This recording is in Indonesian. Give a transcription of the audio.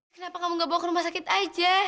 kenapa kamu gak bawa ke rumah sakit aja